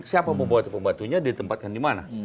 siapa pembuat pembantunya ditempatkan di mana